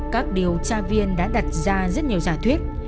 các điều tra viên đã đặt ra rất nhiều giả thuyết